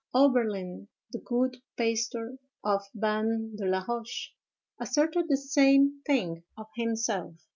Oberlin, the good pastor of Ban de la Roche, asserted the same thing of himself.